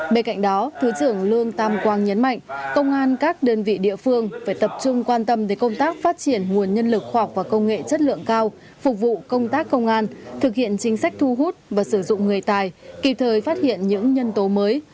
bên cạnh đó thứ trưởng lương tam quang nhấn mạnh công an các đơn vị địa phương phải tập trung quan tâm tới công tác phát triển nguồn nhân lực khoa học và công nghệ chất lượng cao phục vụ công tác công an thực hiện chính sách thu hút và sử dụng người tài kịp thời phát hiện những nhân tố mới